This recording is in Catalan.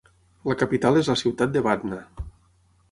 La capital és la ciutat de Batna.